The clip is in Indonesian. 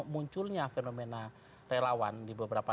munculnya fenomena relawan di beberapa